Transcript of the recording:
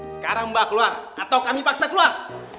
sekarang mbak keluar atau kami paksa keluar